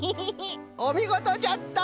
おみごとじゃった！